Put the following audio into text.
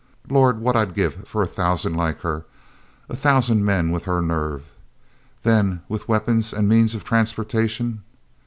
Lord, what I'd give for a thousand like her, a thousand men with her nerve! Then, with weapons, and means of transportation...."